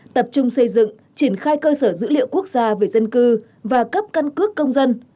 tập trung xây dựng triển khai cơ sở dữ liệu quốc gia về dân cư và cấp căn cước công dân